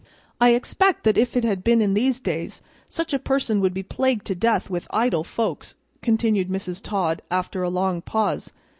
"I expect that if it had been in these days, such a person would be plagued to death with idle folks," continued Mrs. Todd, after a long pause.